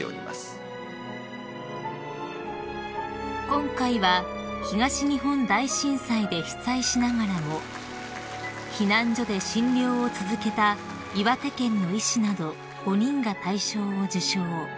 ［今回は東日本大震災で被災しながらも避難所で診療を続けた岩手県の医師など５人が大賞を受賞］